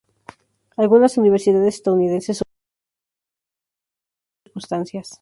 Algunas universidades estadounidenses otorgan la Maestría en Filosofía bajo ciertas circunstancias.